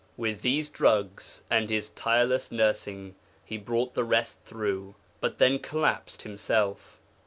With these drugs, and his tireless nursing, he brought the rest through, but then collapsed himself.